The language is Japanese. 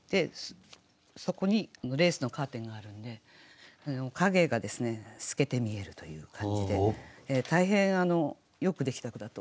そこにレースのカーテンがあるんで影が透けて見えるという感じで大変よくできた句だと。